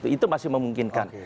itu masih memungkinkan